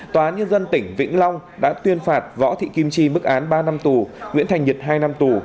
tòa án nhân dân tỉnh vĩnh long đã tuyên phạt võ thị kim chi mức án ba năm tù nguyễn thành nhật hai năm tù